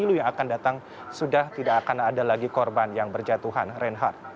pemilu yang akan datang sudah tidak akan ada lagi korban yang berjatuhan reinhardt